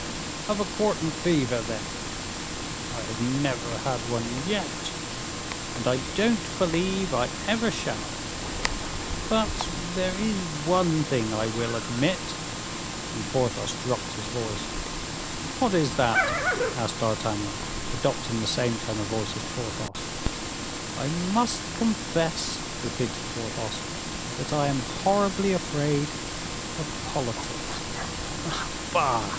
"Of a quartan fever, then?" "I have never had one yet, and I don't believe I ever shall; but there is one thing I will admit," and Porthos dropped his voice. "What is that?" asked D'Artagnan, adopting the same tone of voice as Porthos. "I must confess," repeated Porthos, "that I am horribly afraid of politics." "Ah, bah!"